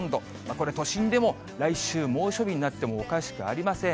これ、都心でも来週、猛暑日になってもおかしくありません。